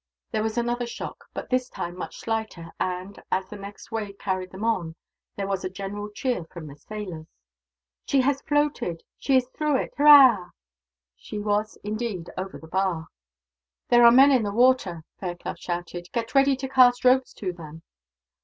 There was another shock, but this time much slighter and, as the next wave carried them on, there was a general cheer from the sailors. "She has floated, she is through it, hurrah!" She was, indeed, over the bar. "There are men in the water," Fairclough shouted. "Get ready to cast ropes to them."